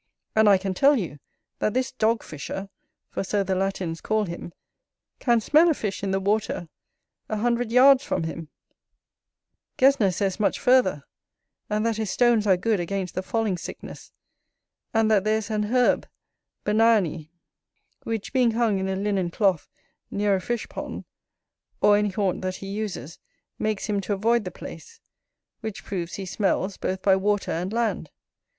And I can tell you, that this dog fisher, for so the Latins call him, can smell a fish in the water a hundred yards from him: Gesner says much farther: and that his stones are good against the falling sickness; and that there is an herb, Benione, which, being hung in a linen cloth near a fish pond, or any haunt that he uses, makes him to avoid the place; which proves he smells both by water and land.